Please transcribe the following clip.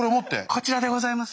こちらでございます。